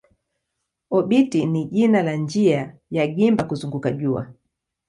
Obiti ni jina la njia ya gimba kuzunguka jua.